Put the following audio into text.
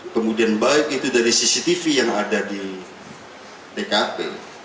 kemudian baik itu dari cctv yang ada di tkp